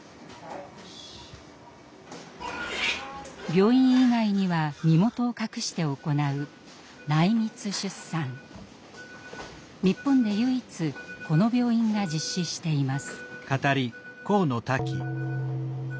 病院以外には身元を隠して行う日本で唯一この病院が実施しています。